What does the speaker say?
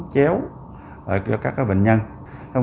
chéo cho các cái bệnh nhân